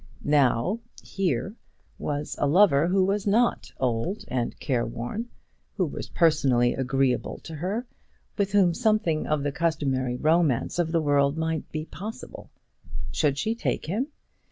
Now, here was a lover who was not old and careworn, who was personally agreeable to her, with whom something of the customary romance of the world might be possible. Should she take him?